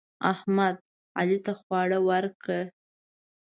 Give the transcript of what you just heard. احمد؛ علي ته خوا ورکړه.